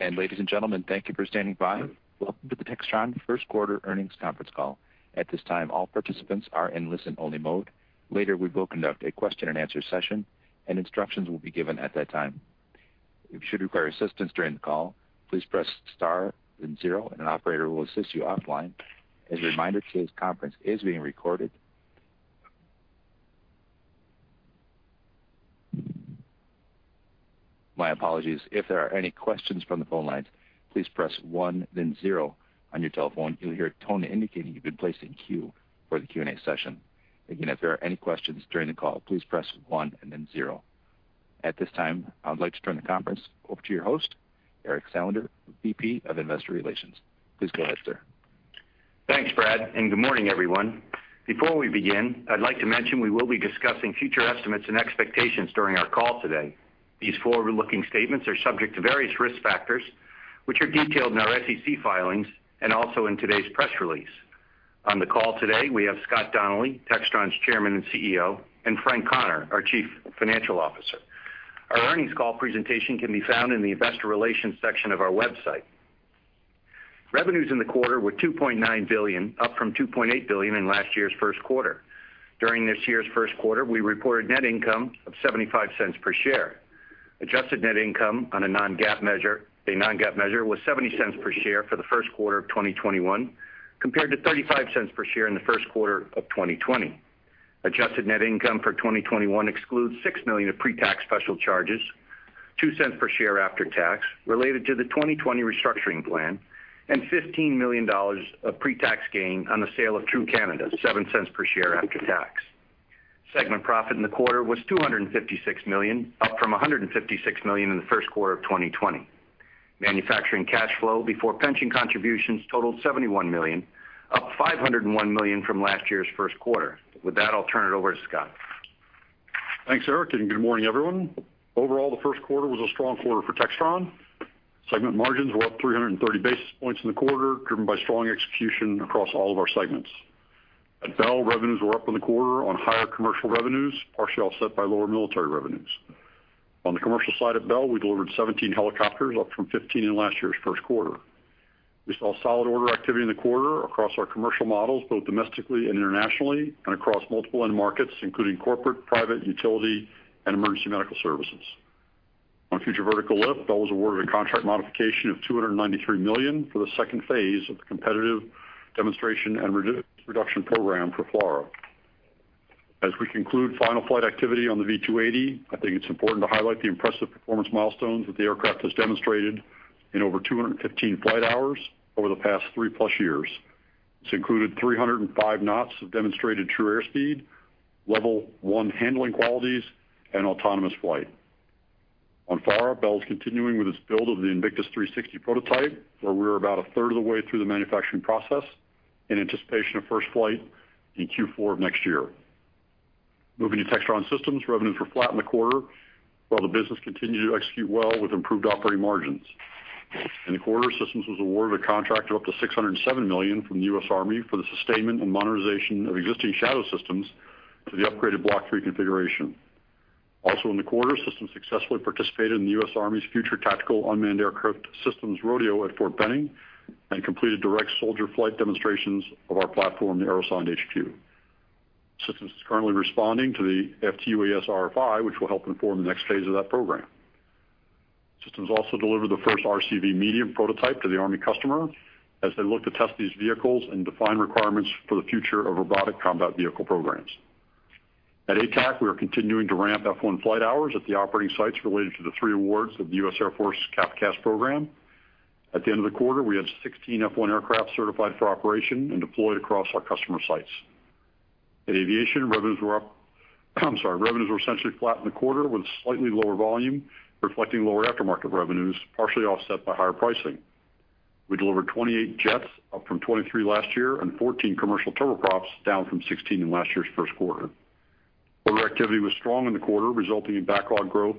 Ladies and gentlemen, thank you for standing by. Welcome to the Textron first quarter earnings conference call. At this time, all participants are in listen-only mode. Later, we will conduct a question-and-answer session, and instructions will be given at that time. If you should require assistance during the call, please press star then zero, and an operator will assist you offline. As a reminder, today's conference is being recorded. My apologies. If there are any questions from the phone lines, please press one then zero on your telephone. You'll hear a tone indicating you've been placed in queue for the Q&A session. Again, if there are any questions during the call, please press one and then zero. At this time, I would like to turn the conference over to your host, Eric Salander, VP of Investor Relations. Please go ahead, sir. Thanks, Brad. Good morning, everyone. Before we begin, I'd like to mention we will be discussing future estimates and expectations during our call today. These forward-looking statements are subject to various risk factors, which are detailed in our SEC filings and also in today's press release. On the call today, we have Scott Donnelly, Textron's Chairman and CEO, and Frank Connor, our Chief Financial Officer. Our earnings call presentation can be found in the investor relations section of our website. Revenues in the quarter were $2.9 billion, up from $2.8 billion in last year's first quarter. During this year's first quarter, we reported net income of $0.75 per share. Adjusted net income on a non-GAAP measure was $0.70 per share for the first quarter of 2021 compared to $0.35 per share in the first quarter of 2020. Adjusted net income for 2021 excludes $6 million of pre-tax special charges, $0.02 per share after tax related to the 2020 restructuring plan, and $15 million of pre-tax gain on the sale of TRU Canada, $0.07 per share after tax. Segment profit in the quarter was $256 million, up from $156 million in the first quarter of 2020. Manufacturing cash flow before pension contributions totaled $71 million, up $501 million from last year's first quarter. With that, I'll turn it over to Scott. Thanks, Eric. Good morning, everyone. Overall, the first quarter was a strong quarter for Textron. Segment margins were up 330 basis points in the quarter, driven by strong execution across all of our segments. At Bell, revenues were up in the quarter on higher commercial revenues, partially offset by lower military revenues. On the commercial side at Bell, we delivered 17 helicopters, up from 15 in last year's first quarter. We saw solid order activity in the quarter across our commercial models, both domestically and internationally, and across multiple end markets, including corporate, private, utility, and emergency medical services. On Future Vertical Lift, Bell was awarded a contract modification of $293 million for the second phase of the competitive demonstration and risk reduction program for FLRAA. As we conclude final flight activity on the V-280, I think it's important to highlight the impressive performance milestones that the aircraft has demonstrated in over 215 flight hours over the past 3+ years. This included 305 knots of demonstrated true air speed, level one handling qualities, and autonomous flight. On FLRAA, Bell is continuing with its build of the Invictus 360 prototype, where we're about a third of the way through the manufacturing process in anticipation of first flight in Q4 of next year. Moving to Textron Systems, revenues were flat in the quarter while the business continued to execute well with improved operating margins. In the quarter, Systems was awarded a contract of up to $607 million from the U.S. Army for the sustainment and modernization of existing Shadow systems to the upgraded Block III configuration. In the quarter, Systems successfully participated in the U.S. Army's Future Tactical Unmanned Aircraft Systems rodeo at Fort Benning and completed direct soldier flight demonstrations of our platform, the Aerosonde HQ. Systems is currently responding to the FTUAS RFI, which will help inform the next phase of that program. Systems also delivered the first RCV medium prototype to the Army customer as they look to test these vehicles and define requirements for the future of robotic combat vehicle programs. At ATAC, we are continuing to ramp F1 flight hours at the operating sites related to the three awards of the U.S. Air Force CAF CAS program. At the end of the quarter, we had 16 F1 aircraft certified for operation and deployed across our customer sites. At Aviation, revenues were up. I'm sorry. Revenues were essentially flat in the quarter with slightly lower volume, reflecting lower aftermarket revenues, partially offset by higher pricing. We delivered 28 jets, up from 23 last year, and 14 commercial turboprops, down from 16 in last year's first quarter. Order activity was strong in the quarter, resulting in backlog growth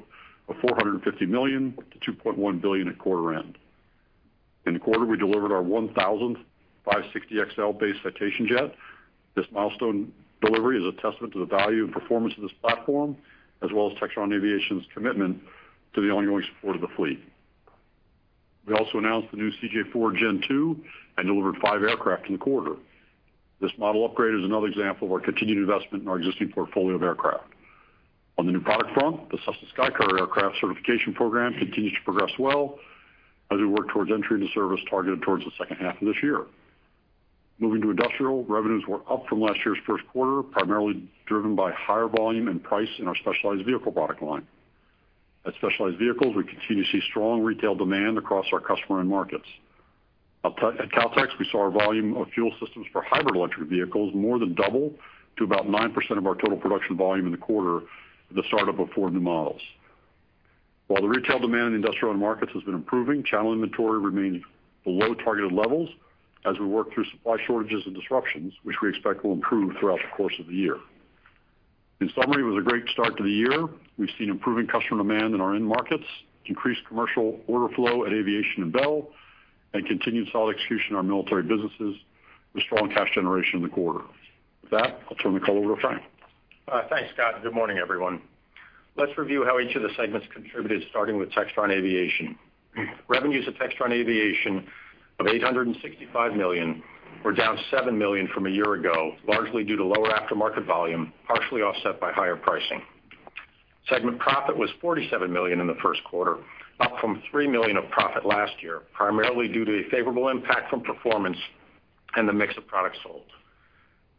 of $450 million to $2.1 billion at quarter end. In the quarter, we delivered our 1,000th 560XL base Citation jet. This milestone delivery is a testament to the value and performance of this platform, as well as Textron Aviation's commitment to the ongoing support of the fleet. We also announced the new CJ4 Gen2 and delivered five aircraft in the quarter. This model upgrade is another example of our continued investment in our existing portfolio of aircraft. On the new product front, the Cessna SkyCourier aircraft certification program continues to progress well as we work towards entry into service targeted towards the second half of this year. Moving to Industrial, revenues were up from last year's first quarter, primarily driven by higher volume and price in our specialized vehicle product line. At Specialized Vehicles, we continue to see strong retail demand across our customer end markets. At Kautex, we saw our volume of fuel systems for hybrid electric vehicles more than double to about 9% of our total production volume in the quarter with the start-up of four new models. While the retail demand in industrial end markets has been improving, channel inventory remains below targeted levels as we work through supply shortages and disruptions, which we expect will improve throughout the course of the year. In summary, it was a great start to the year. We've seen improving customer demand in our end markets, increased commercial order flow at Aviation and Bell, and continued solid execution in our military businesses with strong cash generation in the quarter. With that, I'll turn the call over to Frank. Thanks, Scott. Good morning, everyone. Let's review how each of the segments contributed, starting with Textron Aviation. Revenues at Textron Aviation of $865 million were down $7 million from a year ago, largely due to lower aftermarket volume, partially offset by higher pricing. Segment profit was $47 million in the first quarter, up from $3 million of profit last year, primarily due to a favorable impact from performance and the mix of products sold.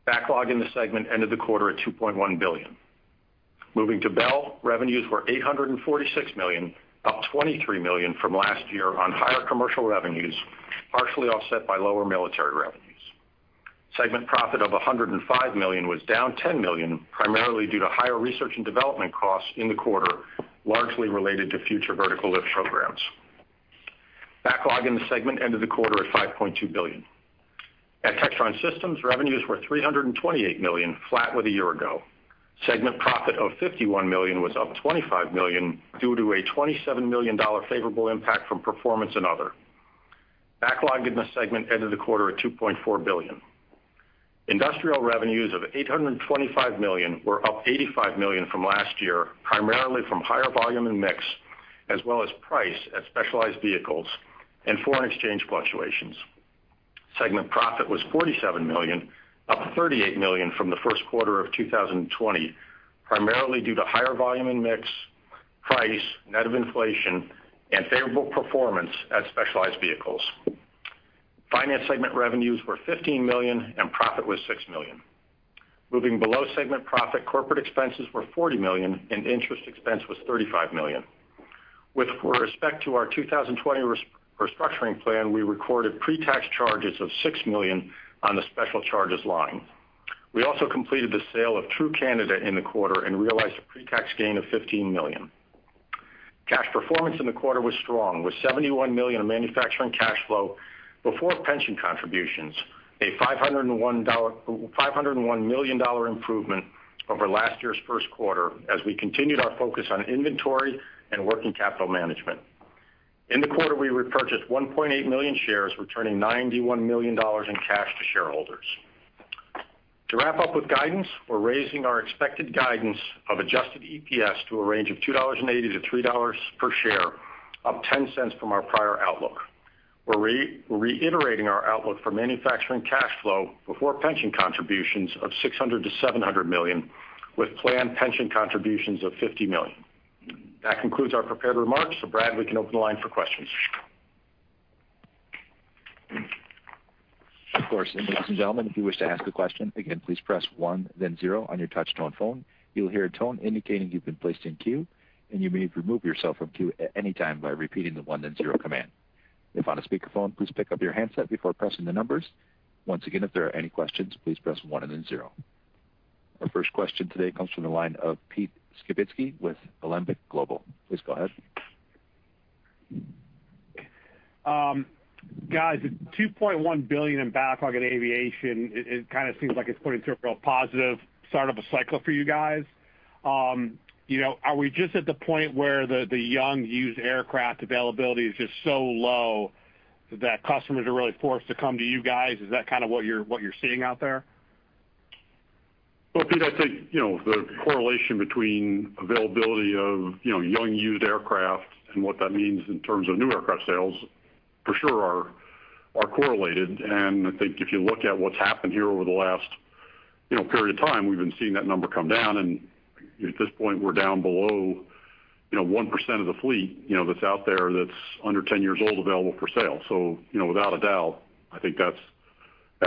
Backlog in the segment ended the quarter at $2.1 billion. Moving to Bell, revenues were $846 million, up $23 million from last year on higher commercial revenues, partially offset by lower military revenues. Segment profit of $105 million was down $10 million, primarily due to higher research and development costs in the quarter, largely related to Future Vertical Lift programs. Backlog in the segment ended the quarter at $5.2 billion. At Textron Systems, revenues were $328 million, flat with a year ago. Segment profit of $51 million was up $25 million due to a $27 million favorable impact from performance and other. Backlog in the segment ended the quarter at $2.4 billion. Industrial revenues of $825 million were up $85 million from last year, primarily from higher volume and mix, as well as price at specialized vehicles and foreign exchange fluctuations. Segment profit was $47 million, up $38 million from the first quarter of 2020, primarily due to higher volume and mix, price net of inflation, and favorable performance at specialized vehicles. Finance segment revenues were $15 million and profit was $6 million. Moving below segment profit, corporate expenses were $40 million and interest expense was $35 million. With respect to our 2020 restructuring plan, we recorded pre-tax charges of $6 million on the special charges line. We also completed the sale of TRU Canada in the quarter and realized a pre-tax gain of $15 million. Cash performance in the quarter was strong with $71 million of manufacturing cash flow before pension contributions, a $501 million improvement over last year's first quarter as we continued our focus on inventory and working capital management. In the quarter, we repurchased 1.8 million shares, returning $91 million in cash to shareholders. To wrap up with guidance, we're raising our expected guidance of adjusted EPS to a range of $2.80-$3.00 per share, up $0.10 from our prior outlook. We're reiterating our outlook for manufacturing cash flow before pension contributions of $600 million-$700 million, with planned pension contributions of $50 million. That concludes our prepared remarks, Brad, we can open the line for questions. Of course. Ladies and gentlemen, if you wish to ask a question, again, please press one, then zero on your touch-tone phone. You'll hear a tone indicating you've been placed in queue, and you may remove yourself from queue at any time by repeating the one, then zero command. If on a speakerphone, please pick up your handset before pressing the numbers. Once again, if there are any questions, please press one and then zero. Our first question today comes from the line of Pete Skibitski with Alembic Global. Please go ahead. Guys, $2.1 billion in backlog in aviation, it kind of seems like it's pointing to a real positive start of a cycle for you guys. Are we just at the point where the young used aircraft availability is just so low that customers are really forced to come to you guys? Is that kind of what you're seeing out there? Pete, I'd say, the correlation between availability of young used aircraft and what that means in terms of new aircraft sales for sure are correlated. I think if you look at what's happened here over the last period of time, we've been seeing that number come down, and at this point, we're down below 1% of the fleet that's out there that's under 10 years old available for sale. Without a doubt, I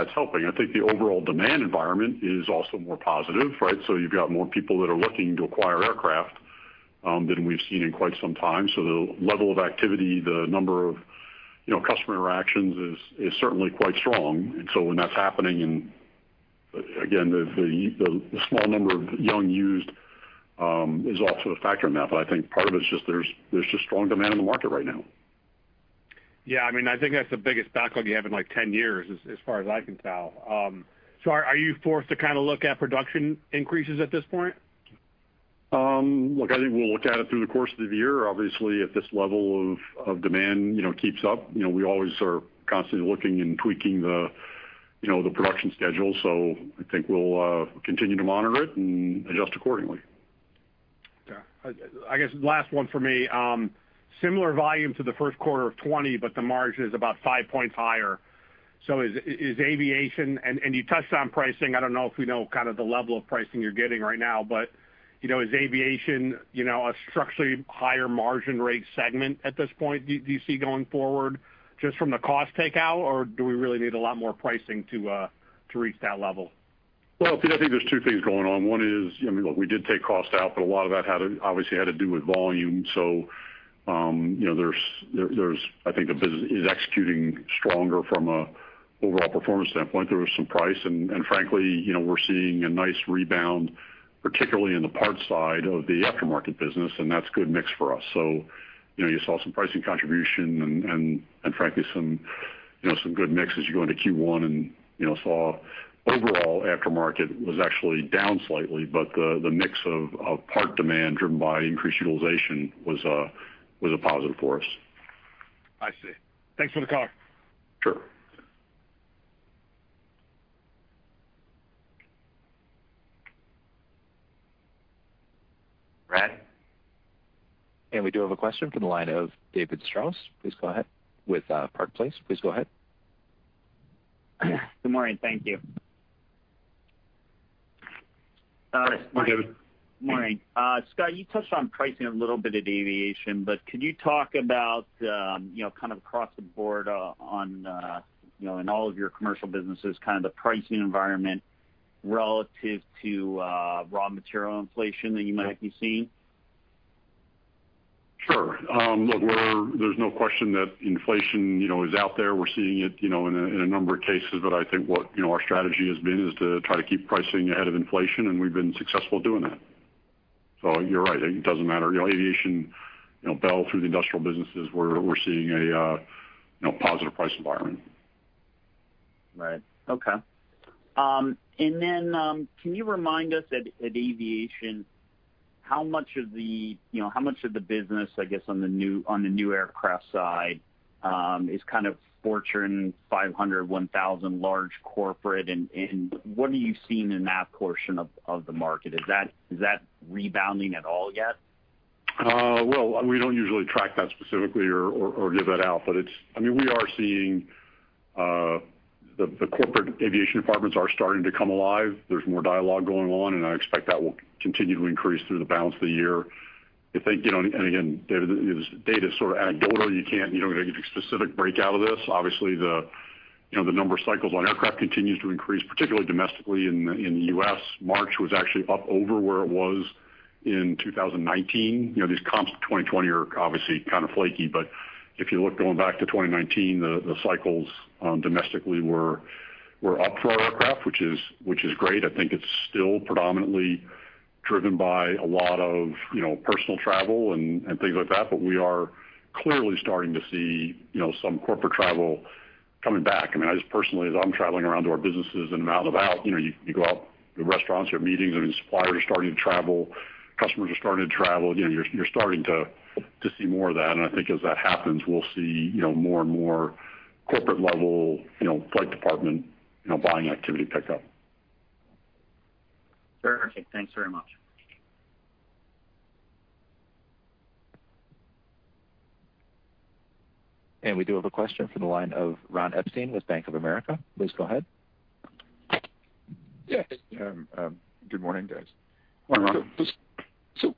think that's helping. I think the overall demand environment is also more positive, right? You've got more people that are looking to acquire aircraft than we've seen in quite some time. The level of activity, the number of customer interactions is certainly quite strong. When that's happening, and again, the small number of young used is also a factor in that. I think part of it is just there's just strong demand in the market right now. Yeah, I think that's the biggest backlog you have in, like, 10 years, as far as I can tell. Are you forced to kind of look at production increases at this point? Look, I think we'll look at it through the course of the year. Obviously, if this level of demand keeps up, we always are constantly looking and tweaking the production schedule. I think we'll continue to monitor it and adjust accordingly. I guess last one for me. Similar volume to the first quarter of 2020, the margin is about five points higher. You touched on pricing. I don't know if we know kind of the level of pricing you're getting right now, is aviation a structurally higher margin rate segment at this point, do you see, going forward just from the cost takeout, or do we really need a lot more pricing to reach that level? Well, Pete, I think there's two things going on. One is, look, we did take cost out. A lot of that obviously had to do with volume. I think the business is executing stronger from an overall performance standpoint. There was some price. Frankly, we're seeing a nice rebound, particularly in the parts side of the aftermarket business, and that's good mix for us. You saw some pricing contribution and frankly some good mix as you go into Q1 and saw overall aftermarket was actually down slightly. The mix of part demand driven by increased utilization was a positive for us. I see. Thanks for the color. Sure. Brad? We do have a question from the line of David Strauss. Please go ahead. With Barclays. Please go ahead. Good morning. Thank you. Hi, David. Morning. Scott, you touched on pricing a little bit at Aviation, could you talk about, kind of across the board in all of your commercial businesses, kind of the pricing environment relative to raw material inflation that you might be seeing? Sure. Look, there's no question that inflation is out there. We're seeing it in a number of cases. I think what our strategy has been is to try to keep pricing ahead of inflation, and we've been successful doing that. You're right. It doesn't matter. Aviation, Bell, through the industrial businesses, we're seeing a positive price environment. Right. Okay. Then, can you remind us at Aviation, how much of the business, I guess, on the new aircraft side, is kind of Fortune 500, 1,000 large corporate, what are you seeing in that portion of the market? Is that rebounding at all yet? Well, we don't usually track that specifically or give that out. We are seeing the corporate aviation departments are starting to come alive. There's more dialogue going on, and I expect that will continue to increase through the balance of the year. I think, and again, David, this data's sort of anecdotal. You don't get a specific breakout of this. Obviously, the number of cycles on aircraft continues to increase, particularly domestically in the U.S. March was actually up over where it was in 2019. These comps to 2020 are obviously kind of flaky. If you look going back to 2019, the cycles domestically were up for our aircraft, which is great. I think it's still predominantly driven by a lot of personal travel and things like that. We are clearly starting to see some corporate travel coming back. I mean, I just personally, as I'm traveling around to our businesses and I'm out and about, you go out to restaurants, you have meetings. I mean, suppliers are starting to travel. Customers are starting to travel. You're starting to see more of that. I think as that happens, we'll see more and more corporate-level flight department buying activity pick up. Perfect. Thanks very much. We do have a question from the line of Ron Epstein with Bank of America. Please go ahead. Yeah. Good morning, guys. Good morning.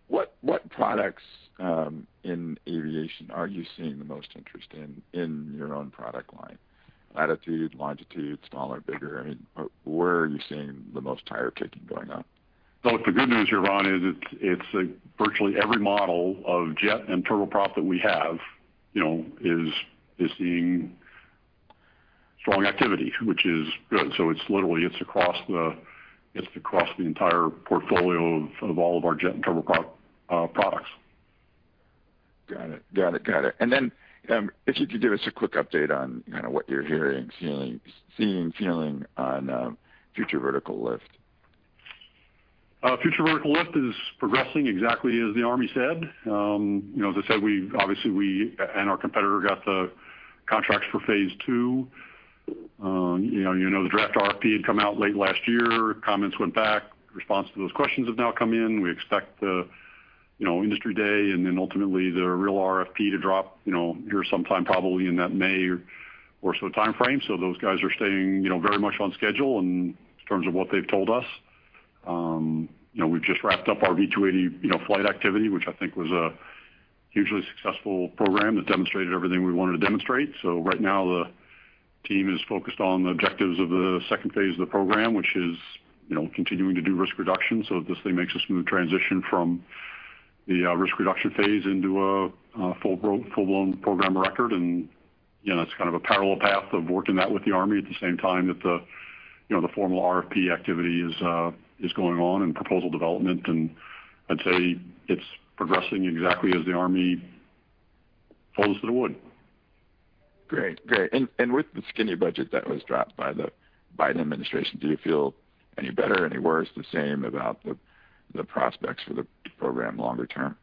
What products in Aviation are you seeing the most interest in in your own product line? Latitude, Longitude, smaller, bigger? I mean, where are you seeing the most tire kicking going on? The good news here, Ron, is it's virtually every model of jet and turboprop that we have, is seeing strong activity, which is good. It's literally across the entire portfolio of all of our jet and turboprop products. Got it. Then, if you could give us a quick update on kind of what you're hearing, seeing, feeling on Future Vertical Lift. Future Vertical Lift is progressing exactly as the Army said. As I said, obviously we and our competitor got the contracts for phase II. The draft RFP had come out late last year. Comments went back. Response to those questions have now come in. We expect the industry day then ultimately the real RFP to drop here sometime probably in that May or so timeframe. Those guys are staying very much on schedule in terms of what they've told us. We've just wrapped up our V-280 flight activity, which I think was a hugely successful program that demonstrated everything we wanted to demonstrate. Right now, the team is focused on the objectives of the second phase of the program, which is continuing to do risk reduction so that this thing makes a smooth transition from the risk reduction phase into a full-blown program of record. It's kind of a parallel path of working that with the Army at the same time that the formal RFP activity is going on and proposal development, I'd say it's progressing exactly as the Army told us it would. Great. With the skinny budget that was dropped by the Biden administration, do you feel any better, any worse, the same about the prospects for the program longer term?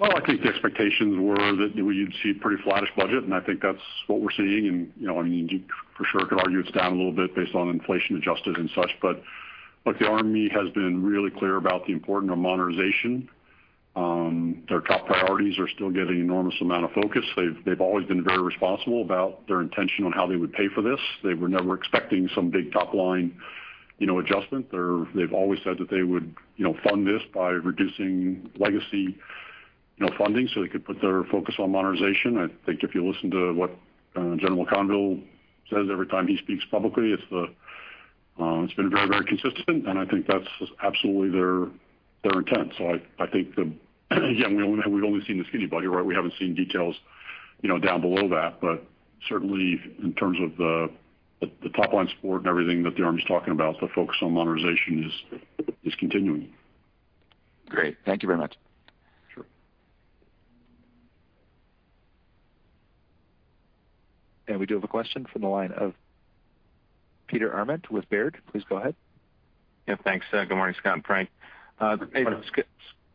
I think the expectations were that we'd see pretty flattish budget, and I think that's what we're seeing. I mean, you for sure could argue it's down a little bit based on inflation adjusted and such, but look, the Army has been really clear about the importance of modernization. Their top priorities are still getting enormous amount of focus. They've always been very responsible about their intention on how they would pay for this. They were never expecting some big top-line adjustment. They've always said that they would fund this by reducing legacy funding so they could put their focus on modernization. I think if you listen to what General McConville says every time he speaks publicly, it's been very consistent, and I think that's absolutely their intent. I think, again, we've only seen the skinny budget, right? We haven't seen details down below that, but certainly in terms of the top-line support and everything that the Army's talking about, the focus on modernization is continuing. Great. Thank you very much. Sure. We do have a question from the line of Peter Arment with Baird. Please go ahead. Yeah, thanks. Good morning, Scott and Frank.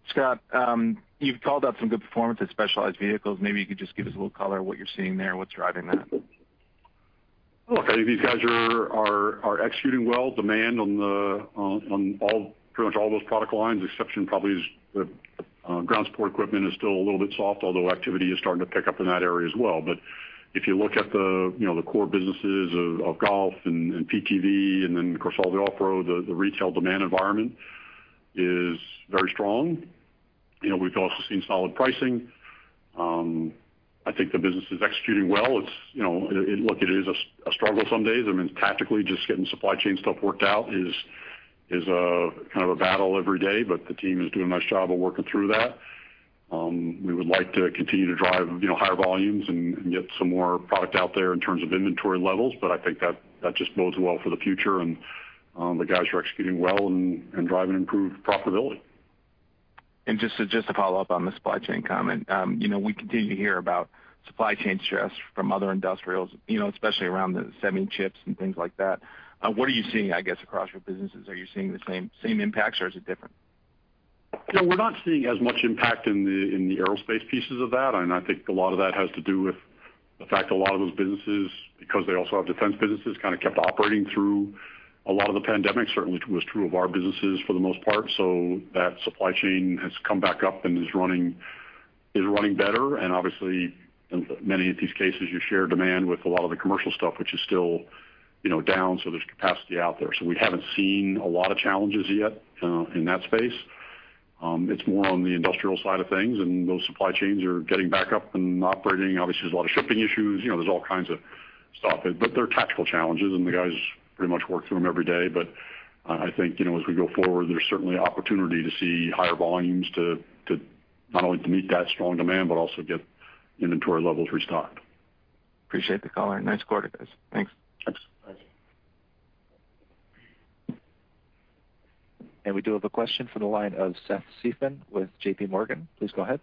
Scott, you've called out some good performance at Specialized Vehicles. Maybe you could just give us a little color on what you're seeing there and what's driving that. Look, these guys are executing well. Demand on pretty much all those product lines. The exception probably is ground support equipment is still a little bit soft, although activity is starting to pick up in that area as well. If you look at the core businesses of golf and PTV and then, of course, all the off-road, the retail demand environment is very strong. We've also seen solid pricing. I think the business is executing well. Look, it is a struggle some days. Tactically, just getting supply chain stuff worked out is a battle every day, but the team is doing a nice job of working through that. We would like to continue to drive higher volumes and get some more product out there in terms of inventory levels. I think that just bodes well for the future, and the guys are executing well and driving improved profitability. Just to follow up on the supply chain comment. We continue to hear about supply chain stress from other industrials, especially around the semi chips and things like that. What are you seeing, I guess, across your businesses? Are you seeing the same impacts, or is it different? Yeah, we're not seeing as much impact in the aerospace pieces of that. I think a lot of that has to do with the fact a lot of those businesses, because they also have defense businesses, kept operating through a lot of the pandemic. Certainly was true of our businesses for the most part. That supply chain has come back up and is running better. Obviously, in many of these cases, you share demand with a lot of the commercial stuff, which is still down, so there's capacity out there. We haven't seen a lot of challenges yet in that space. It's more on the industrial side of things, and those supply chains are getting back up and operating. Obviously, there's a lot of shipping issues. There's all kinds of stuff. They're tactical challenges, and the guys pretty much work through them every day. I think as we go forward, there's certainly opportunity to see higher volumes, not only to meet that strong demand, but also get inventory levels restocked. Appreciate the color. Nice quarter, guys. Thanks. Thanks. Thank you. We do have a question for the line of Seth Seifman with J.P. Morgan. Please go ahead.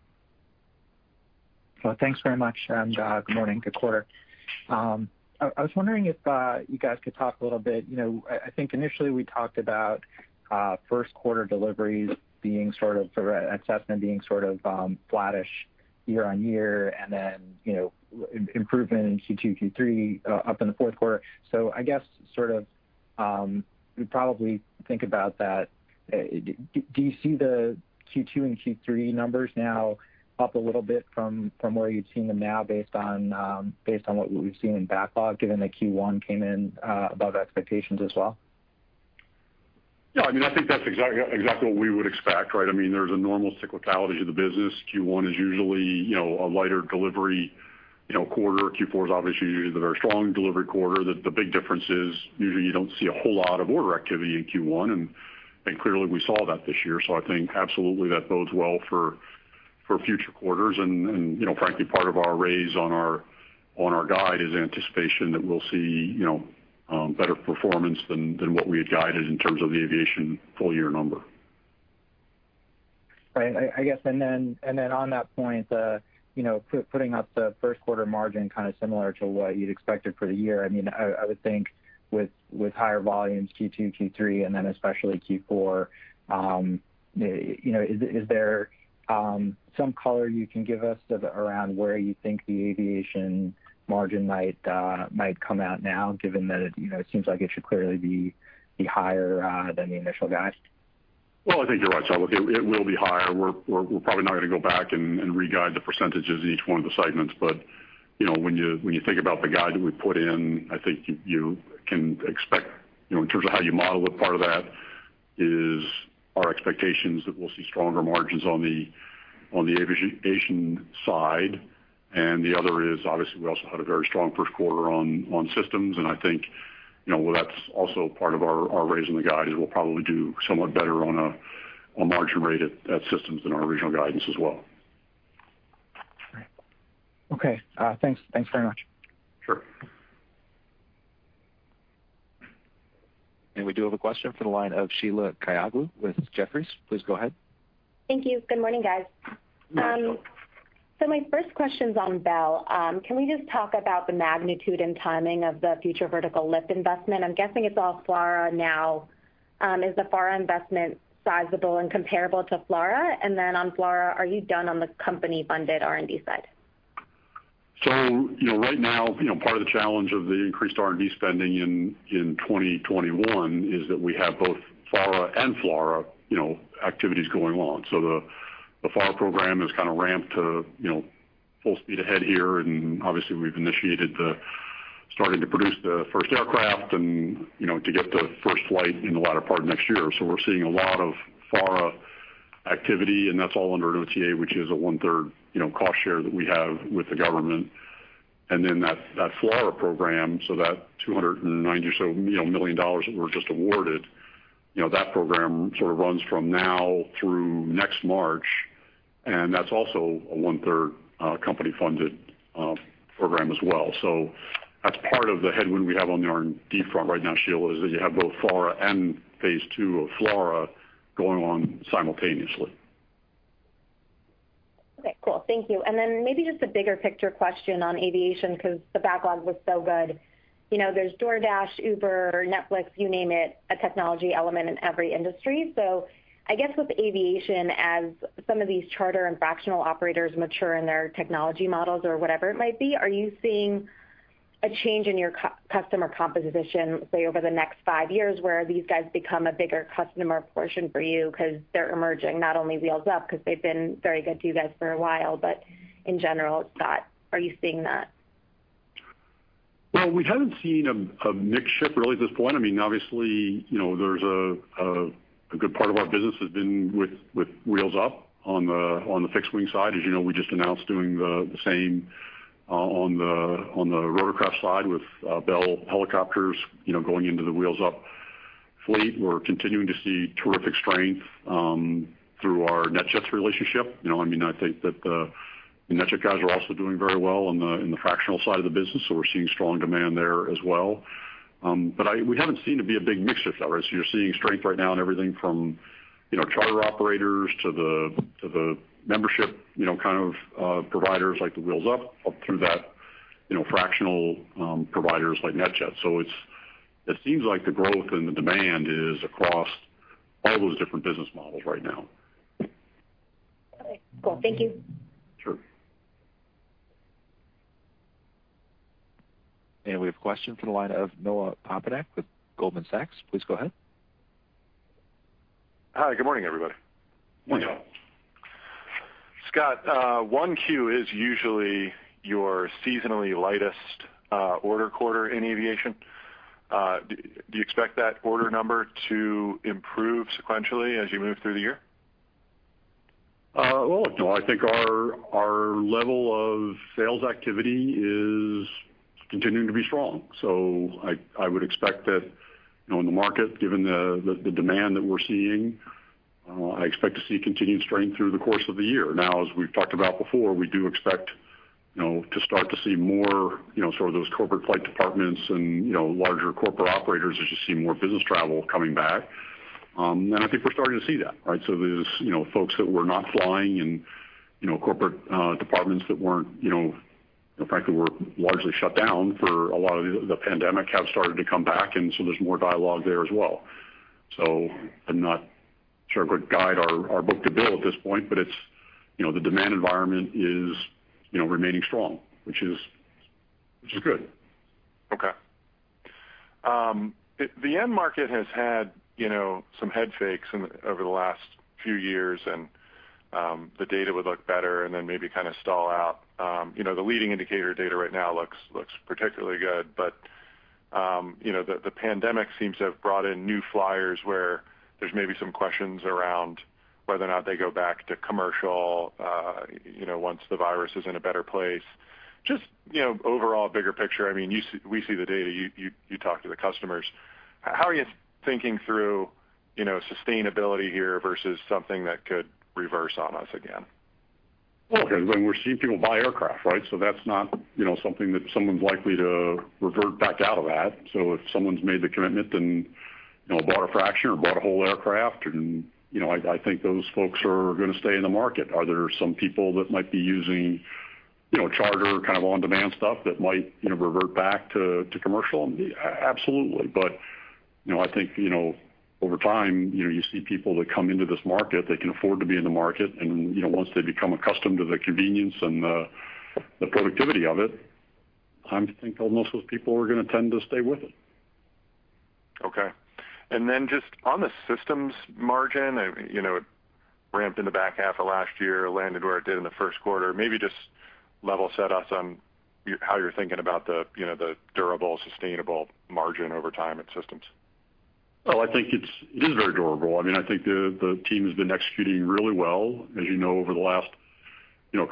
Well, thanks very much. Good morning. Good quarter. I was wondering if you guys could talk a little bit, I think initially we talked about first quarter deliveries being sort of, or assessment being sort of flattish year-on-year, and then improvement in Q2, Q3, up in the fourth quarter. I guess, sort of, we probably think about that. Do you see the Q2 and Q3 numbers now up a little bit from where you'd seen them now based on what we've seen in backlog, given that Q1 came in above expectations as well? Yeah, I think that's exactly what we would expect, right? There's a normal cyclicality to the business. Q1 is usually a lighter delivery quarter. Q4 is obviously usually the very strong delivery quarter. The big difference is usually you don't see a whole lot of order activity in Q1. Clearly we saw that this year. I think absolutely that bodes well for future quarters. Frankly, part of our raise on our guide is anticipation that we'll see better performance than what we had guided in terms of the Aviation full year number. Right. I guess, and then on that point, putting up the first quarter margin kind of similar to what you'd expected for the year. I would think with higher volumes Q2, Q3, and then especially Q4, is there some color you can give us around where you think the Aviation margin might come out now, given that it seems like it should clearly be higher than the initial guide? Well, I think you're right, Seth. Look, it will be higher. We're probably not going to go back and re-guide the percentages of each one of the segments. When you think about the guide that we put in, I think you can expect, in terms of how you model it, part of that is our expectations that we'll see stronger margins on the aviation side. The other is obviously we also had a very strong first quarter on systems, and I think that's also part of our raising the guide, is we'll probably do somewhat better on a margin rate at systems than our original guidance as well. Right. Okay, thanks very much. Sure. We do have a question for the line of Sheila Kahyaoglu with Jefferies. Please go ahead. Thank you. Good morning, guys. Morning, Sheila. My first question's on Bell. Can we just talk about the magnitude and timing of the Future Vertical Lift investment? I'm guessing it's all FLRAA now. Is the FARA investment sizable and comparable to FLRAA? On FLRAA, are you done on the company-funded R&D side? Right now, part of the challenge of the increased R&D spending in 2021 is that we have both FARA and FLRAA activities going on. The FARA program is kind of ramped to full speed ahead here, and obviously we've initiated the starting to produce the first aircraft, and to get the first flight in the latter part of next year. We're seeing a lot of FARA activity, and that's all under an OTA, which is a one-third cost share that we have with the government. That FLRAA program, that $290 million or so that we were just awarded, that program sort of runs from now through next March, and that's also a one-third company-funded program as well. That's part of the headwind we have on the R&D front right now, Sheila, is that you have both FARA and phase II of FLRAA going on simultaneously. Okay, cool. Thank you. Then maybe just a bigger picture question on aviation, because the backlog was so good. There's DoorDash, Uber, Netflix, you name it, a technology element in every industry. I guess with aviation, as some of these charter and fractional operators mature in their technology models or whatever it might be, are you seeing a change in your customer composition, say, over the next five years, where these guys become a bigger customer portion for you because they're emerging, not only Wheels Up, because they've been very good to you guys for a while, but in general, Scott, are you seeing that? We haven't seen a mix shift really at this point. Obviously, there's a good part of our business has been with Wheels Up on the fixed-wing side. As you know, we just announced doing the same on the rotorcraft side with Bell Textron, going into the Wheels Up fleet. We're continuing to see terrific strength through our NetJets relationship. I think that the NetJets guys are also doing very well in the fractional side of the business, we're seeing strong demand there as well. We haven't seen it be a big mix shift that way. You're seeing strength right now in everything from charter operators to the membership kind of providers like the Wheels Up, up through that fractional providers like NetJets. It seems like the growth and the demand is across all those different business models right now. Okay, cool. Thank you. Sure. We have a question from the line of Noah Poponak with Goldman Sachs. Please go ahead. Hi, good morning, everybody. Good morning, Noah. Scott, 1Q is usually your seasonally lightest order quarter in aviation. Do you expect that order number to improve sequentially as you move through the year? Well, Noah, I think our level of sales activity is continuing to be strong. I would expect that in the market, given the demand that we're seeing, I expect to see continued strength through the course of the year. As we've talked about before, we do expect to start to see more sort of those corporate flight departments and larger corporate operators as you see more business travel coming back. I think we're starting to see that, right? These folks that were not flying and corporate departments that frankly, were largely shut down for a lot of the pandemic have started to come back, and so there's more dialogue there as well. I'm not sure I could guide our book to bill at this point, but the demand environment is remaining strong, which is good. Okay. The end market has had some head fakes over the last few years, and the data would look better and then maybe kind of stall out. The leading indicator data right now looks particularly good, but the pandemic seems to have brought in new flyers where there's maybe some questions around whether or not they go back to commercial once the virus is in a better place. Just overall bigger picture, we see the data, you talk to the customers. How are you thinking through sustainability here versus something that could reverse on us again? Well, we're seeing people buy aircraft, right? That's not something that someone's likely to revert back out of that. If someone's made the commitment and bought a fraction or bought a whole aircraft, I think those folks are going to stay in the market. Are there some people that might be using charter kind of on-demand stuff that might revert back to commercial? Absolutely. I think over time, you see people that come into this market, they can afford to be in the market, and once they become accustomed to the convenience and the productivity of it, I think most of those people are going to tend to stay with it. Okay. Just on the Systems margin, it ramped in the back half of last year, landed where it did in the first quarter. Maybe just level set us on how you're thinking about the durable, sustainable margin over time at Systems. Well, I think it is very durable. I think the team has been executing really well. As you know, over the last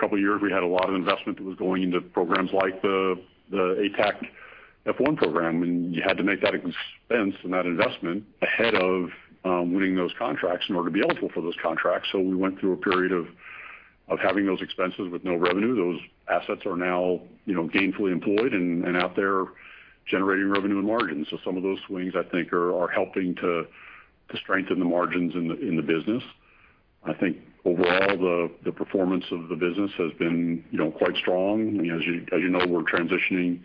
couple of years, we had a lot of investment that was going into programs like the ATAC F1 program, and you had to make that expense and that investment ahead of winning those contracts in order to be eligible for those contracts. We went through a period of having those expenses with no revenue. Those assets are now gainfully employed and out there generating revenue and margin. Some of those swings, I think, are helping to strengthen the margins in the business. I think overall, the performance of the business has been quite strong. As you know, we're transitioning.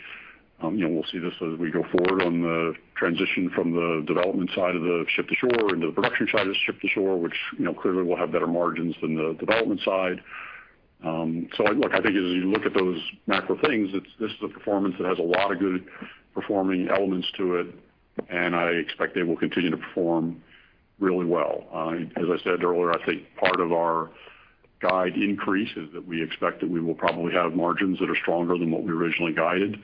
We'll see this as we go forward on the transition from the development side of the Ship-to-Shore into the production side of the Ship-to-Shore, which clearly will have better margins than the development side. Look, I think as you look at those macro things, this is a performance that has a lot of good performing elements to it, and I expect they will continue to perform really well. As I said earlier, I think part of our guide increase is that we expect that we will probably have margins that are stronger than what we originally guided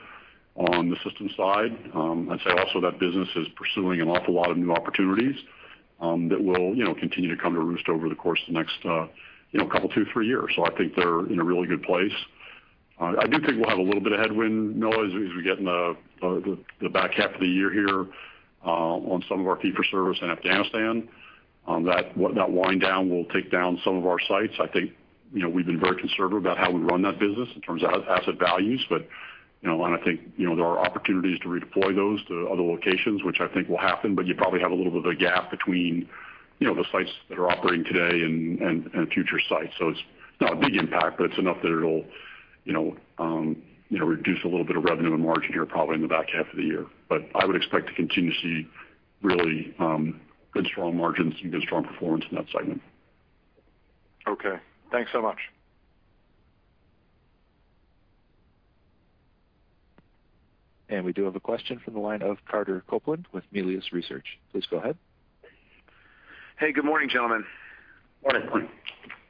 on the Systems side. I'd say also that business is pursuing an awful lot of new opportunities that will continue to come to roost over the course of the next couple, two, three years. I think they're in a really good place. I do think we'll have a little bit of headwind, Noah, as we get in the back half of the year here on some of our fee-for-service in Afghanistan. That wind down will take down some of our sites. I think we've been very conservative about how we run that business in terms of asset values. I think there are opportunities to redeploy those to other locations, which I think will happen. You probably have a little bit of a gap between the sites that are operating today and future sites. It's not a big impact, but it's enough that it'll reduce a little bit of revenue and margin here, probably in the back half of the year. I would expect to continue to see really good, strong margins and good strong performance in that segment. Okay. Thanks so much. We do have a question from the line of Carter Copeland with Melius Research. Please go ahead. Hey, good morning, gentlemen. Morning. Morning.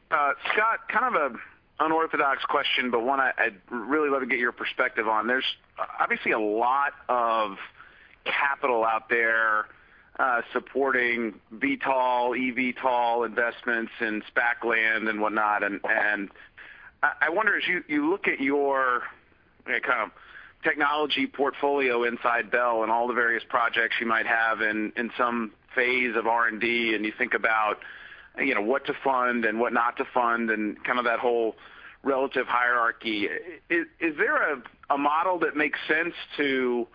Scott, kind of an unorthodox question, but one I'd really love to get your perspective on. There's obviously a lot of capital out there supporting VTOL, eVTOL investments in SPAC land and whatnot. I wonder, as you look at your technology portfolio inside Bell and all the various projects you might have in some phase of R&D, and you think about what to fund and what not to fund and kind of that whole relative hierarchy, is there a model that makes sense to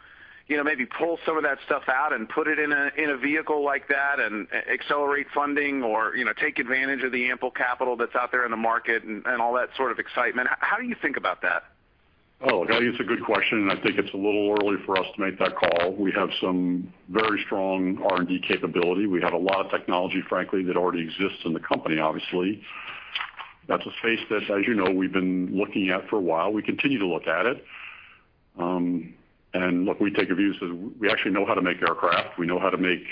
maybe pull some of that stuff out and put it in a vehicle like that and accelerate funding or take advantage of the ample capital that's out there in the market and all that sort of excitement? How do you think about that? I think it's a good question. I think it's a little early for us to make that call. We have some very strong R&D capability. We have a lot of technology, frankly, that already exists in the company, obviously. That's a space that, as you know, we've been looking at for a while. We continue to look at it. Look, we take a view. We actually know how to make aircraft. We know how to make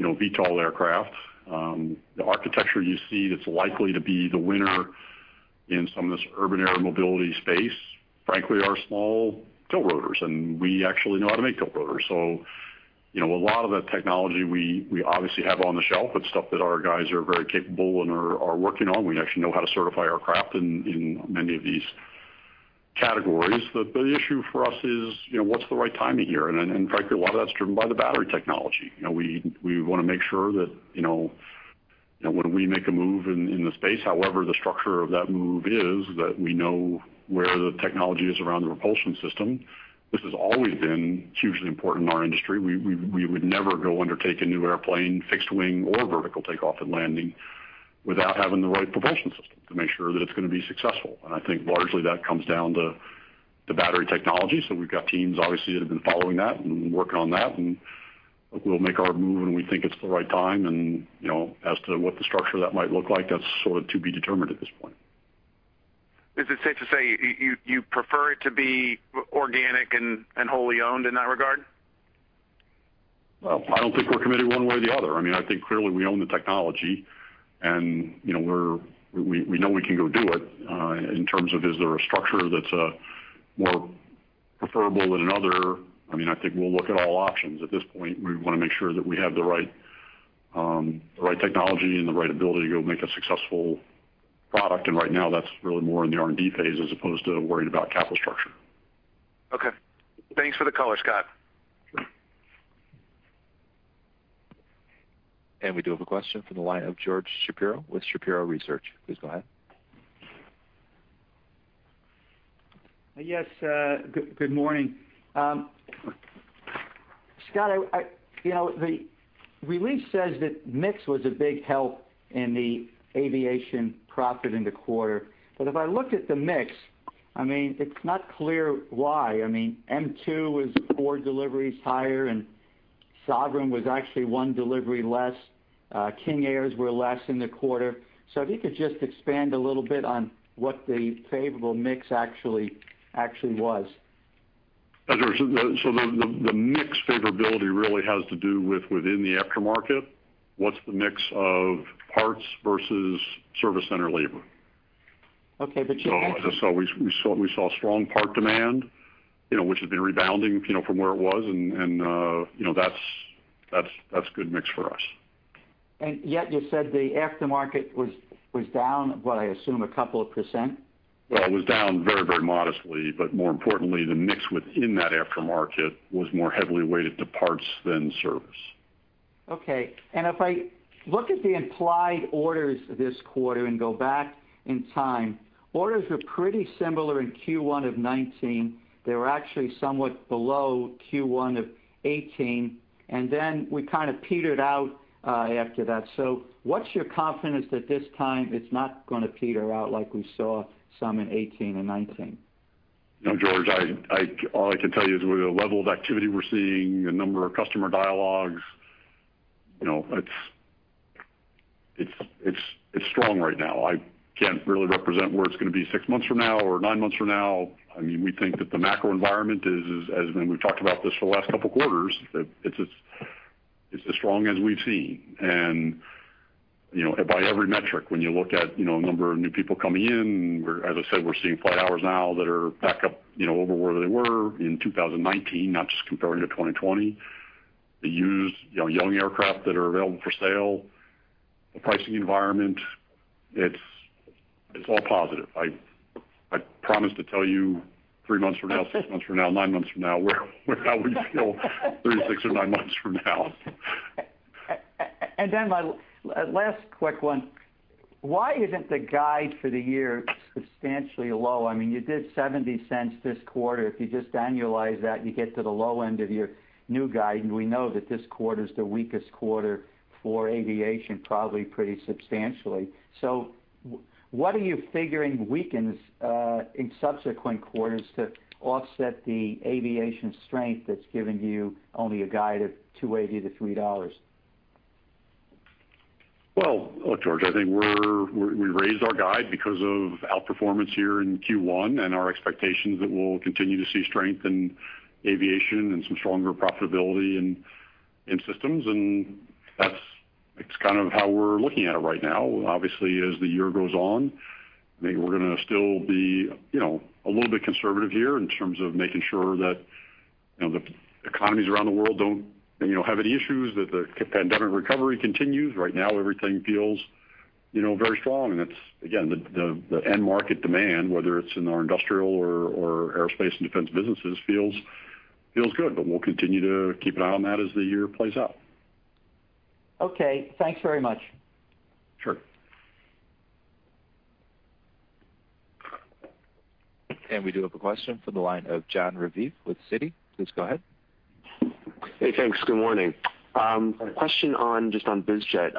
VTOL aircraft. The architecture you see that's likely to be the winner in some of this urban air mobility space, frankly, are small tilt rotors. We actually know how to make tilt rotors. A lot of that technology we obviously have on the shelf. It's stuff that our guys are very capable and are working on. We actually know how to certify aircraft in many of these categories. The issue for us is, what's the right timing here? Frankly, a lot of that's driven by the battery technology. We want to make sure that when we make a move in the space, however the structure of that move is, that we know where the technology is around the propulsion system. This has always been hugely important in our industry. We would never go undertake a new airplane, fixed wing, or vertical takeoff and landing without having the right propulsion system to make sure that it's going to be successful. I think largely that comes down to battery technology. We've got teams, obviously, that have been following that and working on that, and we'll make our move when we think it's the right time. As to what the structure of that might look like, that's sort of to be determined at this point. Is it safe to say you prefer it to be organic and wholly owned in that regard? Well, I don't think we're committed one way or the other. I think clearly we own the technology, and we know we can go do it. In terms of, is there a structure that's more preferable than another, I think we'll look at all options. At this point, we want to make sure that we have the right technology and the right ability to go make a successful product. Right now, that's really more in the R&D phase as opposed to worrying about capital structure. Okay. Thanks for the color, Scott. We do have a question from the line of George Shapiro with Shapiro Research. Please go ahead. Yes. Good morning. Scott, the release says that mix was a big help in the aviation profit in the quarter. If I look at the mix, it's not clear why. M2 is four deliveries higher, and Sovereign was actually one delivery less. King Airs were less in the quarter. If you could just expand a little bit on what the favorable mix actually was. The mix favorability really has to do with within the aftermarket, what's the mix of parts versus service center labor. Okay. We saw strong part demand, which has been rebounding from where it was, and that's good mix for us. Yet you said the aftermarket was down, what I assume, a couple of percent? It was down very modestly, but more importantly, the mix within that aftermarket was more heavily weighted to parts than service. Okay. If I look at the implied orders this quarter and go back in time, orders are pretty similar in Q1 of 2019. They were actually somewhat below Q1 of 2018, we kind of petered out after that. What's your confidence that this time it's not going to peter out like we saw some in 2018 and 2019? George, all I can tell you is with the level of activity we're seeing, the number of customer dialogues, it's strong right now. I can't really represent where it's going to be six months from now or nine months from now. We think that the macro environment is, as we've talked about this for the last couple of quarters, that it's as strong as we've seen. By every metric, when you look at the number of new people coming in, as I said, we're seeing flight hours now that are back up over where they were in 2019, not just comparing to 2020. The used, young aircraft that are available for sale, the pricing environment, it's all positive. I promise to tell you three months from now, six months from now, nine months from now how we feel three, six, or nine months from now. My last quick one, why isn't the guide for the year substantially low? You did $0.70 this quarter. If you just annualize that, you get to the low end of your new guide, and we know that this quarter's the weakest quarter for aviation, probably pretty substantially. What are you figuring weakens in subsequent quarters to offset the aviation strength that's giving you only a guide of $2.80-$3? Well, look, George, I think we raised our guide because of outperformance here in Q1 and our expectations that we'll continue to see strength in aviation and some stronger profitability in Systems. That's kind of how we're looking at it right now. Obviously, as the year goes on, I think we're going to still be a little bit conservative here in terms of making sure that the economies around the world don't have any issues, that the pandemic recovery continues. Right now, everything feels very strong. Again, the end market demand, whether it's in our industrial or aerospace and defense businesses, feels good. We'll continue to keep an eye on that as the year plays out. Okay. Thanks very much. Sure. We do have a question for the line of Jon Raviv with Citi. Please go ahead. Hey, thanks. Good morning. Question just on biz jet.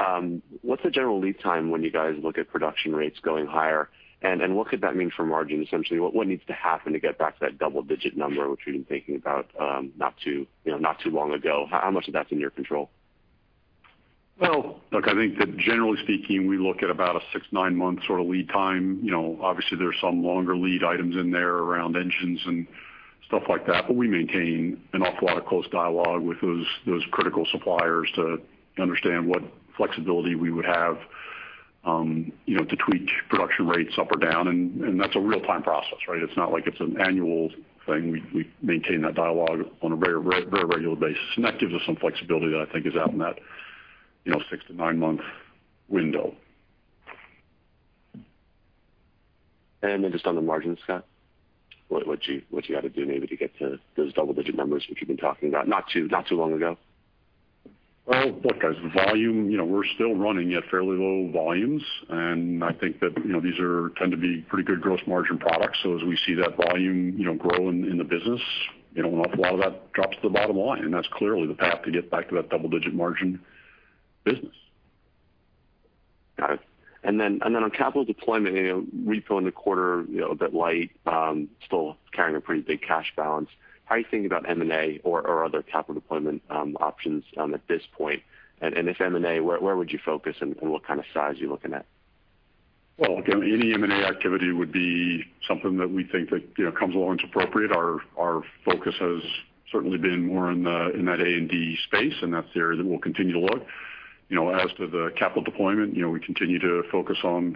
What's the general lead time when you guys look at production rates going higher, and what could that mean for margin? Essentially, what needs to happen to get back to that double-digit number, which we've been thinking about not too long ago? How much of that's in your control? Well, look, I think that generally speaking, we look at about a six to nine-month sort of lead time. Obviously, there's some longer lead items in there around engines and stuff like that, but we maintain an awful lot of close dialogue with those critical suppliers to understand what flexibility we would have to tweak production rates up or down, and that's a real-time process, right? It's not like it's an annual thing. We maintain that dialogue on a very regular basis, and that gives us some flexibility that I think is out in that six to nine-month window. Just on the margins, Scott, what you got to do maybe to get to those double-digit numbers, which you've been talking about not too long ago? Well, look, guys, volume, we're still running at fairly low volumes. I think that these tend to be pretty good gross margin products. As we see that volume grow in the business, an awful lot of that drops to the bottom line, and that's clearly the path to get back to that double-digit margin business. Got it. On capital deployment, refi in the quarter a bit light, still carrying a pretty big cash balance. How are you thinking about M&A or other capital deployment options at this point? If M&A, where would you focus and what kind of size are you looking at? Well, look, any M&A activity would be something that we think that comes along, it's appropriate. Our focus has certainly been more in that A&D space, and that's the area that we'll continue to look. As to the capital deployment, we continue to focus on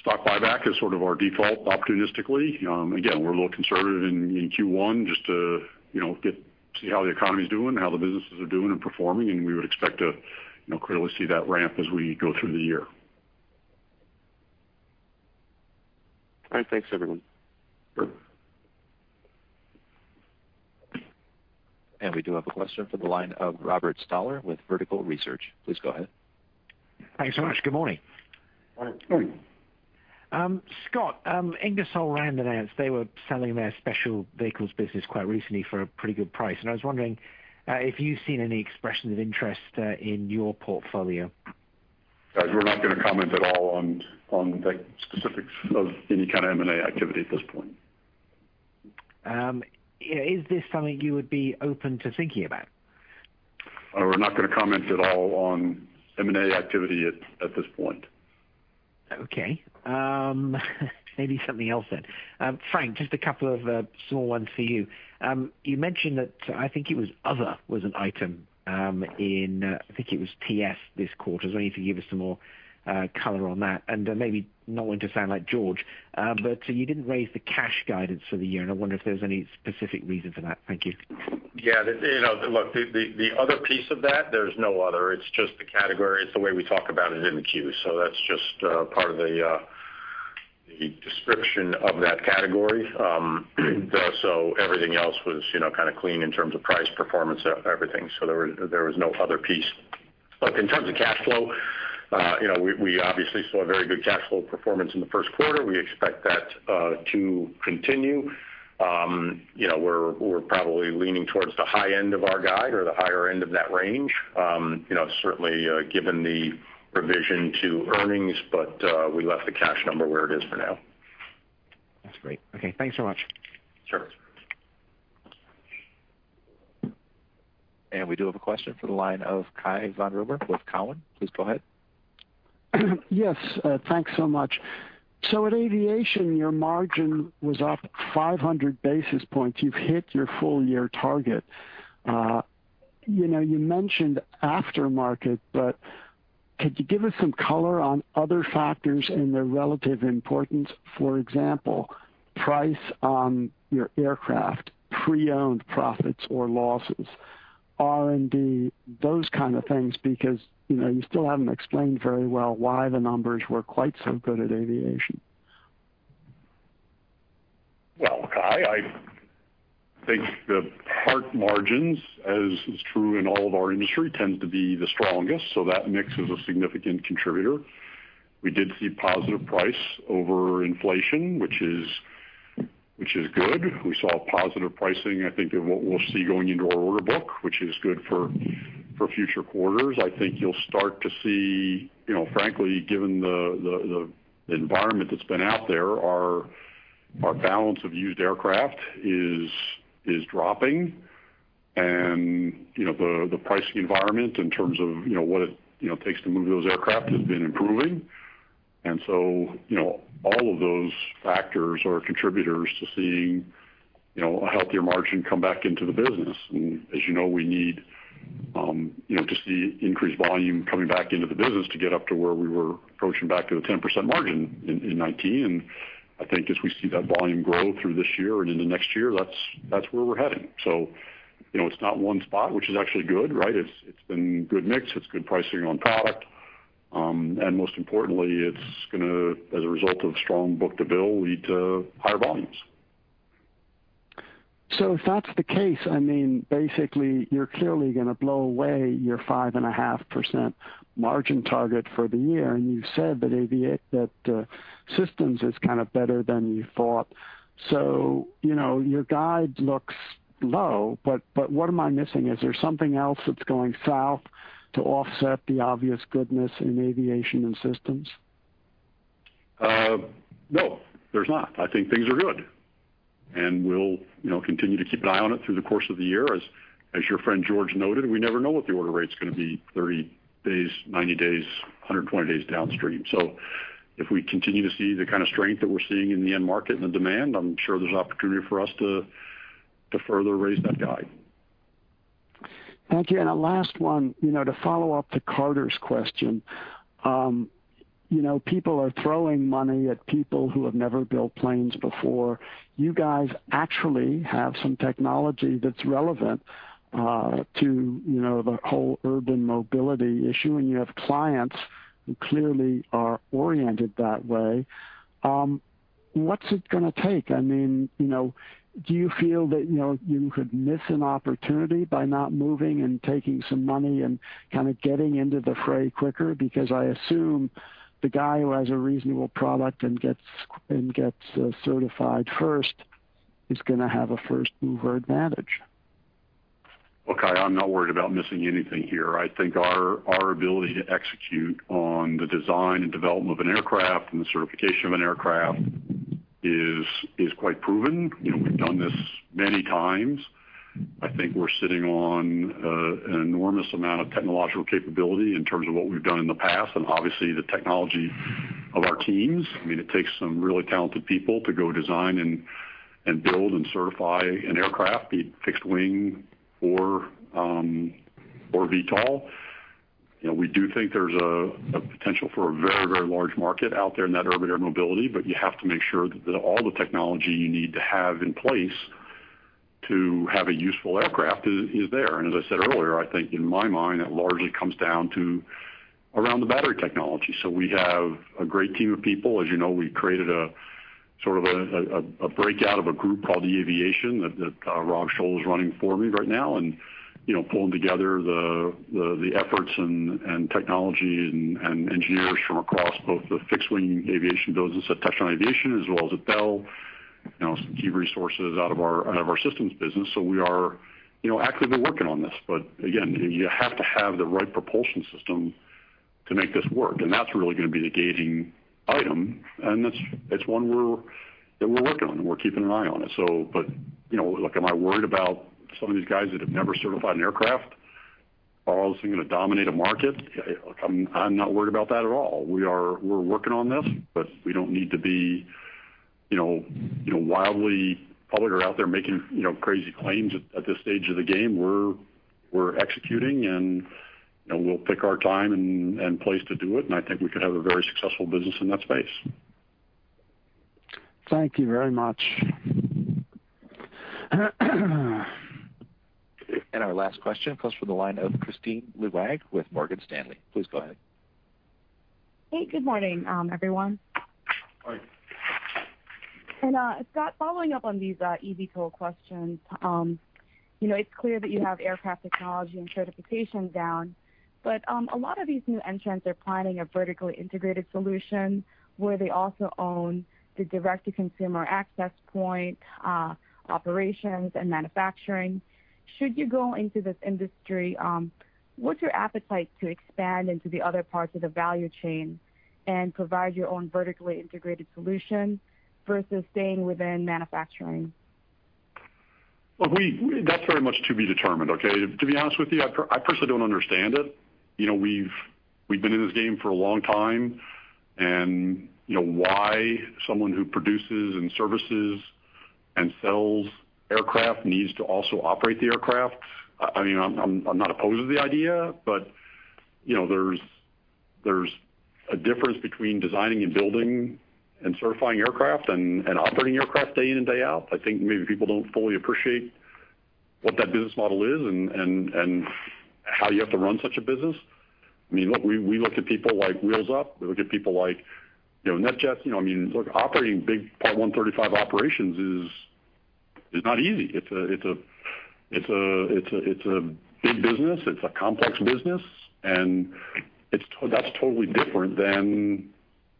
stock buyback as sort of our default opportunistically. Again, we're a little conservative in Q1 just to see how the economy's doing, how the businesses are doing and performing, and we would expect to clearly see that ramp as we go through the year. All right. Thanks, everyone. Sure. We do have a question for the line of Robert Stallard with Vertical Research. Please go ahead. Thanks so much. Good morning. Morning. Scott, Ingersoll Rand announced they were selling their special vehicles business quite recently for a pretty good price, and I was wondering if you've seen any expression of interest in your portfolio. Guys, we're not going to comment at all on the specifics of any kind of M&A activity at this point. Is this something you would be open to thinking about? We're not going to comment at all on M&A activity at this point. Okay. Maybe something else then. Frank, just a couple of small ones for you. You mentioned that I think it was other was an item in, I think it was TS this quarter. I was wondering if you could give us some more color on that, and maybe not one to sound like George, but you didn't raise the cash guidance for the year, and I wonder if there's any specific reason for that. Thank you. Look, the other piece of that, there's no other, it's just the category. It's the way we talk about it in the Q. That's just part of the description of that category. Everything else was kind of clean in terms of price, performance, everything. There was no other piece. Look, in terms of cash flow, we obviously saw very good cash flow performance in the first quarter. We expect that to continue. We're probably leaning towards the high end of our guide or the higher end of that range. Certainly, given the revision to earnings, we left the cash number where it is for now. That's great. Okay, thanks so much. Sure. We do have a question for the line of Cai von Rumohr with Cowen. Please go ahead. Yes, thanks so much. At Aviation, your margin was up 500 basis points. You've hit your full-year target. You mentioned aftermarket, but could you give us some color on other factors and their relative importance? For example, price on your aircraft, pre-owned profits or losses, R&D, those kind of things, because you still haven't explained very well why the numbers were quite so good at Aviation. Cai, I think the part margins, as is true in all of our industry, tend to be the strongest, that mix is a significant contributor. We did see positive price over inflation, which is good. We saw positive pricing, I think, in what we'll see going into our order book, which is good for future quarters. I think you'll start to see, frankly, given the environment that's been out there, our balance of used aircraft is dropping, the pricing environment in terms of what it takes to move those aircraft has been improving. All of those factors are contributors to seeing a healthier margin come back into the business. As you know, we need to see increased volume coming back into the business to get up to where we were approaching back to the 10% margin in 2019. I think as we see that volume grow through this year and into next year, that's where we're heading. It's not one spot, which is actually good, right? It's been good mix, it's good pricing on product. Most importantly, it's going to, as a result of strong book-to-bill, lead to higher volumes. If that's the case, basically you're clearly going to blow away your 5.5% margin target for the year, and you've said that Systems is kind of better than you thought. Your guide looks low, but what am I missing? Is there something else that's going south to offset the obvious goodness in Aviation and Systems? No, there's not. I think things are good, and we'll continue to keep an eye on it through the course of the year. As your friend George noted, we never know what the order rate's going to be 30 days, 90 days, 120 days downstream. If we continue to see the kind of strength that we're seeing in the end market and the demand, I'm sure there's opportunity for us to further raise that guide. Thank you. A last one, to follow up to Carter's question. People are throwing money at people who have never built planes before. You guys actually have some technology that's relevant to the whole urban mobility issue, and you have clients who clearly are oriented that way. What's it going to take? Do you feel that you could miss an opportunity by not moving and taking some money and kind of getting into the fray quicker? I assume the guy who has a reasonable product and gets certified first is going to have a first mover advantage. Look, Cai, I'm not worried about missing anything here. I think our ability to execute on the design and development of an aircraft and the certification of an aircraft is quite proven. We've done this many times. I think we're sitting on an enormous amount of technological capability in terms of what we've done in the past and obviously the technology of our teams. It takes some really talented people to go design and build and certify an aircraft, be it fixed wing or VTOL. We do think there's a potential for a very large market out there in that urban air mobility, but you have to make sure that all the technology you need to have in place to have a useful aircraft is there. As I said earlier, I think in my mind, it largely comes down to around the battery technology. We have a great team of people. As you know, we created a sort of a breakout of a group called eAviation that Rob Scholl is running for me right now, and pulling together the efforts and technology and engineers from across both the fixed wing aviation business at Textron Aviation as well as at Bell, some key resources out of our Systems business. We are actively working on this, but again, you have to have the right propulsion system to make this work, and that's really going to be the gating item, and that's one that we're working on, and we're keeping an eye on it. Am I worried about some of these guys that have never certified an aircraft are also going to dominate a market? I'm not worried about that at all. We're working on this, but we don't need to be wildly public or out there making crazy claims at this stage of the game. We're executing, and we'll pick our time and place to do it, and I think we could have a very successful business in that space. Thank you very much. Our last question comes from the line of Kristine Liwag with Morgan Stanley. Please go ahead. Hey, good morning, everyone. Morning. Scott, following up on these eVTOL questions. It's clear that you have aircraft technology and certification down, but a lot of these new entrants are planning a vertically integrated solution where they also own the direct-to-consumer access point, operations, and manufacturing. Should you go into this industry, what's your appetite to expand into the other parts of the value chain and provide your own vertically integrated solution versus staying within manufacturing? That's very much to be determined, okay? To be honest with you, I personally don't understand it. We've been in this game for a long time, why someone who produces and services and sells aircraft needs to also operate the aircraft, I'm not opposed to the idea, there's a difference between designing and building and certifying aircraft and operating aircraft day in and day out. I think maybe people don't fully appreciate what that business model is and how you have to run such a business. We look at people like Wheels Up, we look at people like NetJets. Operating big Part 135 operations is not easy. It's a big business. It's a complex business, that's totally different than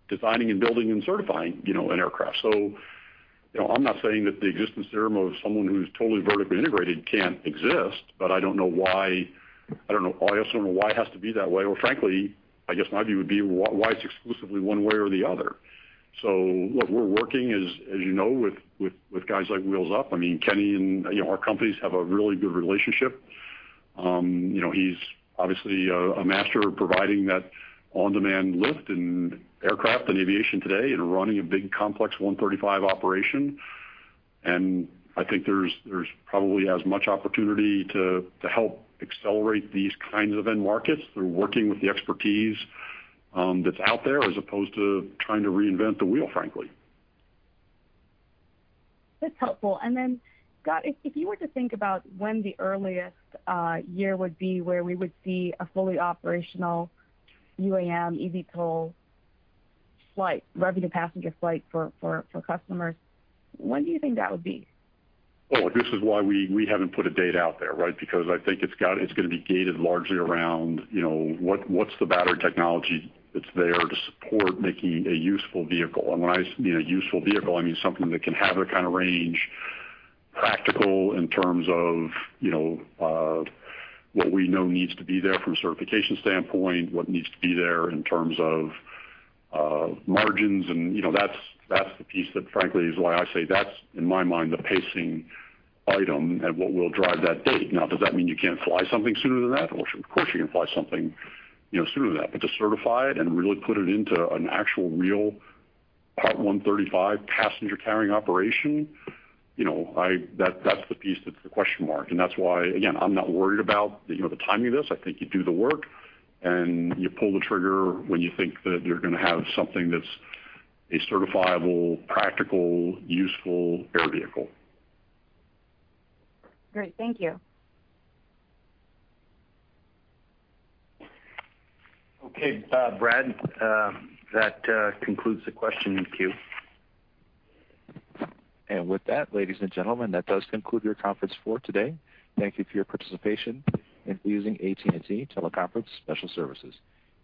designing and building and certifying an aircraft. I'm not saying that the existence theorem of someone who's totally vertically integrated can't exist, but I also don't know why it has to be that way, or frankly, I guess my view would be why it's exclusively one way or the other. What we're working, as you know, with guys like Wheels Up, Kenny and our companies have a really good relationship. He's obviously a master of providing that on-demand lift and aircraft and aviation today and running a big, complex 135 operation. I think there's probably as much opportunity to help accelerate these kinds of end markets through working with the expertise that's out there as opposed to trying to reinvent the wheel, frankly. That's helpful. Scott, if you were to think about when the earliest year would be where we would see a fully operational UAM eVTOL revenue passenger flight for customers, when do you think that would be? Well, this is why we haven't put a date out there, right? I think it's going to be gated largely around what's the battery technology that's there to support making a useful vehicle. When I say a useful vehicle, I mean something that can have the kind of range, practical in terms of what we know needs to be there from a certification standpoint, what needs to be there in terms of margins, and that's the piece that frankly, is why I say that's, in my mind, the pacing item and what will drive that date. Does that mean you can't fly something sooner than that? Of course, you can fly something sooner than that. To certify it and really put it into an actual, real Part 135 passenger-carrying operation, that's the piece that's the question mark. That's why, again, I'm not worried about the timing of this. I think you do the work, and you pull the trigger when you think that you're going to have something that's a certifiable, practical, useful air vehicle. Great. Thank you. Okay, Brad, that concludes the question queue. With that, ladies and gentlemen, that does conclude your conference for today. Thank you for your participation in using AT&T TeleConference Special Services.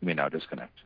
You may now disconnect.